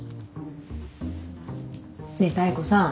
ねえ妙子さん。